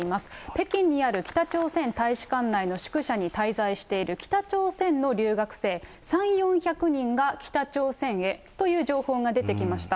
北京にある北朝鮮大使館内の宿舎に滞在している北朝鮮の留学生３、４００人が北朝鮮へという情報が出てきました。